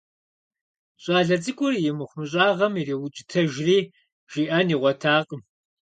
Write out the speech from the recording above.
ЩӀалэ цӀыкӀур и мыхъумыщӀагъэм ириукӀытэжри, жиӀэн игъуэтакъым.